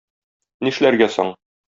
Нишләргә соң?